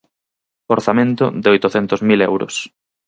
Orzamento de oitocentos mil euros.